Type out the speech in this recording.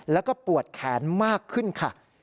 แล้วก็ปวดแขนมากขึ้นค่ะ